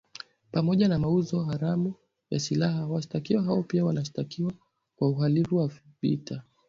Pamoja na mauzo haramu ya silaha washtakiwa hao pia wanashtakiwa kwa uhalivu wa vita